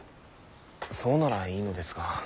そうならいいのですが。